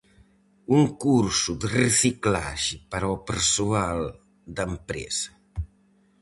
Un curso de reciclaxe para o persoal da empresa.